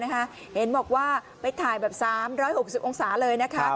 เห็นบอกว่าไปถ่าย๓๖๐องศาเลย